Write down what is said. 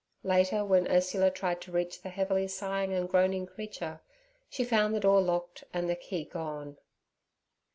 Later, when Ursula tried to reach the heavily sighing and groaning creature, she found the door locked and the key gone.